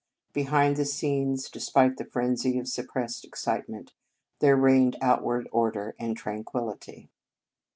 Behind the scenes, despite the frenzy of suppressed excitement, there reigned outward order and tranquil lity.